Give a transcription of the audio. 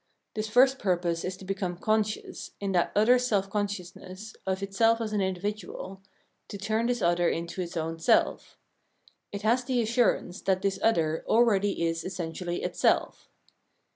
This first purpose is to become conscious, in that other self consciousness, of itself as an individual, to turn this other into its own self. It has the assurance that this other already is essentially itself.